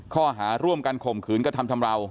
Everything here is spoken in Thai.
ข้อหาร่วมกันข่มขืนกระทำชำราว